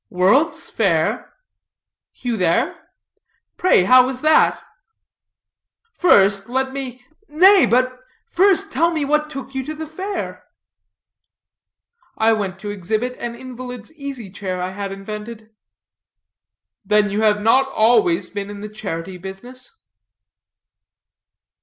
"World's Fair? You there? Pray how was that?" "First, let me " "Nay, but first tell me what took you to the Fair?" "I went to exhibit an invalid's easy chair I had invented." "Then you have not always been in the charity business?"